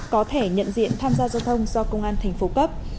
có thể nhận diện tham gia giao thông do công an thành phố cấp